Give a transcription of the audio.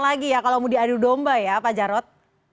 lagi ya kalau mau diadu domba ya pak jarod